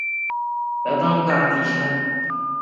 เราต้องการกี่ชั้น ?